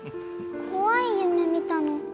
怖い夢見たの